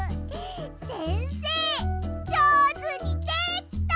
せんせいじょうずにできた！